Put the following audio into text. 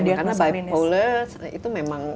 karena bipolar itu memang